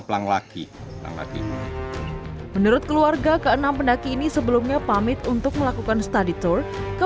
pelang lagi menurut keluarga keenam pendaki ini sebelumnya pamit untuk melakukan study tour ke